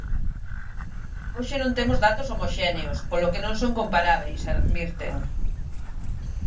"Hoxe non temos datos homoxéneos", polo que non son comparábeis, advirten.